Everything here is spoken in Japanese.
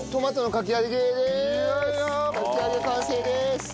かき揚げ完成です。